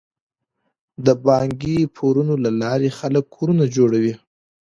د بانکي پورونو له لارې خلک کورونه جوړوي.